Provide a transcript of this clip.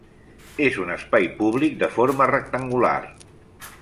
És un espai públic de forma rectangular.